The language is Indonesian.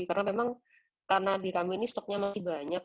karena memang karena di kami ini stoknya masih banyak